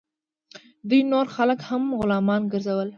دوی نور خلک هم غلامان ګرځول.